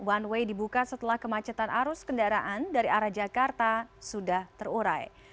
one way dibuka setelah kemacetan arus kendaraan dari arah jakarta sudah terurai